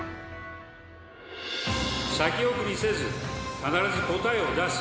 先送りせず、必ず答えを出す。